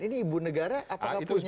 ini ibu negara apakah punya